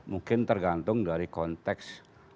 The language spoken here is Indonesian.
mungkin tergantung dari konteks